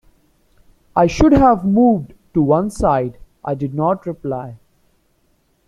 I should have moved to one side. I did not reply.